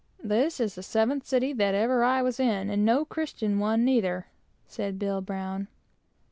"This is the seventh city that ever I was in, and no Christian one neither," said Bill Brown.